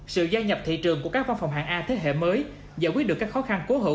sự gia nhập thị trường của các văn phòng hạng a thế hệ mới giải quyết được các khó khăn cố hữu